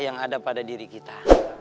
yang ada pada diri kita